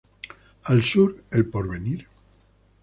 Al Sur El Porvenir.